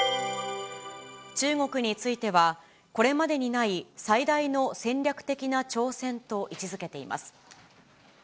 中国については、これまでにない最大の戦略的な挑戦と位置づけています。